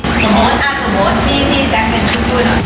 สมมติมีที่แจ๊งเป็นทุกหน่อย